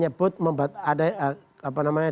nyebut ada apa namanya